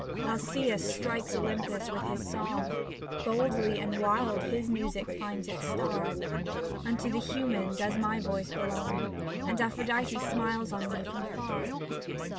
Alcsus strikes Olympus with his song. Boldly and wild his music finds its star. 59 SAPPHO TO PHAON Unto the human does my voice belong And Aphrodite smiles on me from far.